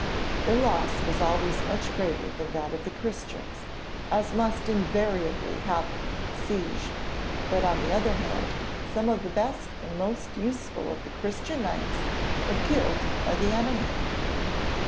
Their loss was always much greater than that of the Christians, as must invariably happen in a siege; but, on the other hand, some of the best and most useful of the Christian Knights were killed by the enemy.